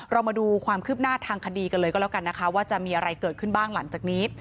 มาดูความคืบหน้าทางคดีกันเลยก็แล้วกันนะคะว่าจะมีอะไรเกิดขึ้นบ้างหลังจากนี้